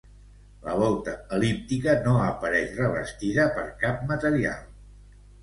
La volta el·líptica no apareix revestida per cap material.